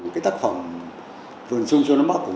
cái tác phẩm vườn sung cho nó bắt củng